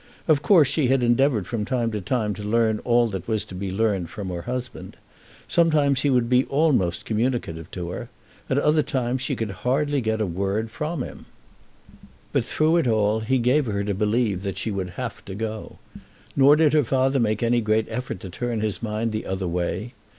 Of course, she had endeavoured from time to time to learn all that was to be learned from her husband. Sometimes he would be almost communicative to her; at other times she could get hardly a word from him. But, through it all, he gave her to believe that she would have to go. Nor did her father make any great effort to turn his mind the other way.